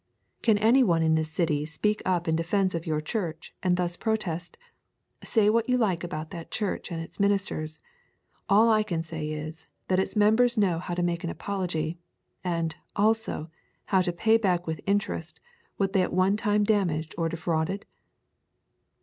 Can any one in this city speak up in defence of your church and thus protest: 'Say what you like about that church and its ministers, all I can say is, that its members know how to make an apology; as, also, how to pay back with interest what they at one time damaged or defrauded'?